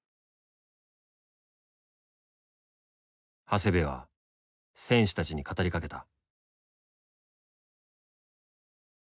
長谷部は選手たちに語りかけた。